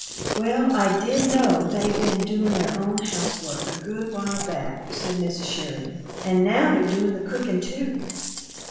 "Well, I DID know they been doin' their own house work a good while back," said Mrs. Sheridan. "And now they're doin' the cookin', too."